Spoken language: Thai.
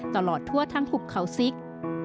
ตลอดทั่วทั้งหุบเขาซิก